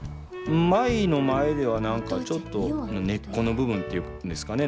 舞の前では何かちょっと根っこの部分っていうんですかね